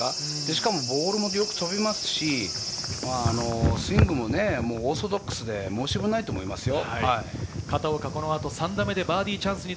しかもボールもよく飛びますし、スイングもオーソドックスで申し分ないと思いますよ。